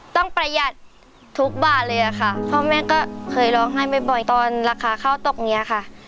ประหยัดทุกบาทเลยอะค่ะพ่อแม่ก็เคยร้องไห้บ่อยตอนราคาข้าวตกเนี้ยค่ะ